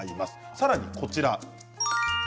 さらに、こちらです。